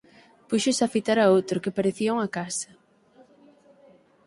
Púxose a fitar outro, que parecía unha casa.